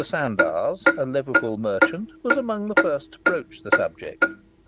Sandars, a Liverpool merchant, was amongst the first to broach the subject.